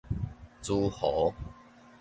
諸侯